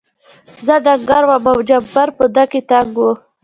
زه ډنګر وم او جمپر په ده کې تنګ و.